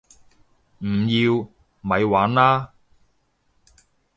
唔要！咪玩啦